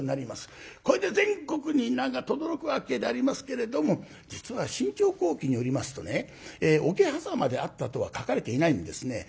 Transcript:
これで全国に名がとどろくわけでありますけれども実は「信長公記」によりますとね桶狭間であったとは書かれていないんですね。